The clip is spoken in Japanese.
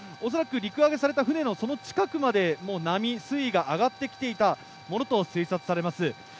恐らく陸揚げされた船のその近くまで波、水位が上がってきたものと推察されます。